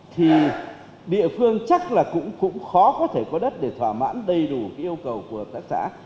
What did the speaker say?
thì địa phương chắc là cũng khó có thể có đất để thỏa mãn đầy đủ cái yêu cầu của hợp tác xã